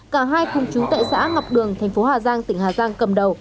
cả hai thông trú tại xã ngọc đường thành phố hà giang tỉnh hà giang